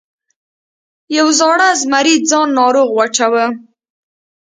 یو زاړه زمري ځان ناروغ واچاوه.